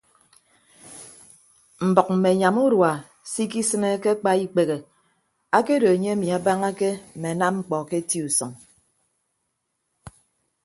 Mbʌk mme anyam urua se ikisịne ke akpa ikpehe akedo enye emi abañake mme anam mkpọ ke eti usʌñ.